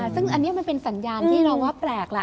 ซึ่งอันนี้มันเป็นสัญญาณที่เราว่าแปลกล่ะ